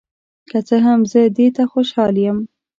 که څه هم، زه دې ته خوشحال یم.